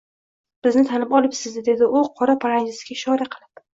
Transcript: Bizni tanib olibsiz-da, dedi u qora paranjisiga ishora qilib